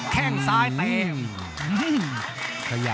แข้งซ้ายเตะ